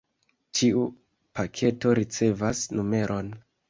Ĉiu paketo ricevas numeron.